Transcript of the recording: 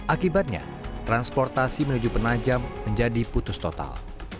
akibatnya transportasi menuju penajam menjadi putus total